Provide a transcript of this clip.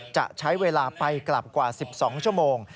จะใช้เวลาไปกลับกว่า๑๒ชั่วโมง